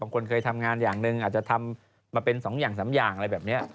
คนเคยทำงานอย่างหนึ่งอาจจะทำมาเป็น๒อย่าง๓อย่างอะไรแบบนี้